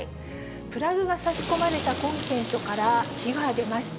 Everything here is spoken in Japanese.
プラグが差し込まれたコンセントから火が出ました。